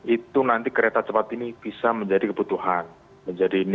itu nanti kereta cepat ini bisa menjadi kebutuhan